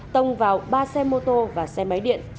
tông vào ba xe mô tô và xe máy điện